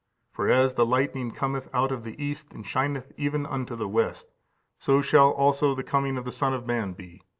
"For as the lightning cometh out of the east, and shineth even unto the west, so shall also the coming of the Son of man be.